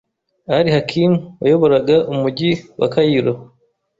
al-Hakim wayoboraga umugi wa Kayiro